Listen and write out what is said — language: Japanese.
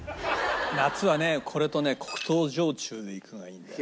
夏はねこれとね黒糖焼酎でいくのがいいんだよ。